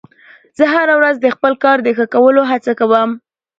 زه هره ورځ د خپل کار د ښه کولو هڅه کوم